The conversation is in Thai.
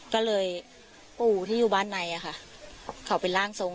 ก็เลยปู่ที่อยู่บ้านในอะค่ะเขาเป็นร่างทรง